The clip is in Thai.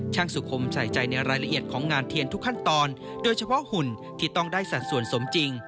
สุขมใส่ใจในรายละเอียดของงานเทียนทุกขั้นตอนโดยเฉพาะหุ่นที่ต้องได้สัดส่วนสมจริง